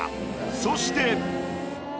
そして。